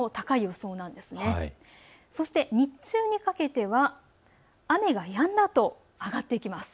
そして日中にかけては雨がやんだあと上がっていきます。